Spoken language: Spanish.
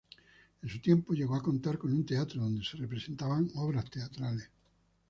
En su tiempo llegó a contar con un teatro, donde se representaban obras teatrales.